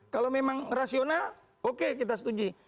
kalau memang rasional oke kita setuju